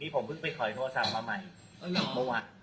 ผมเพิ่งไปขอโทรศัพท์มาใหม่